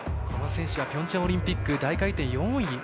この選手はピョンチャンオリンピックの大回転４位。